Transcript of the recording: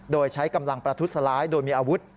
โดยใช้กำลังประทุษร้ายโดยมีอาวุธ